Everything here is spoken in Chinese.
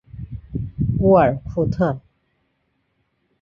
乌尔库特。